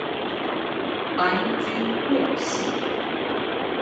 白駒過隙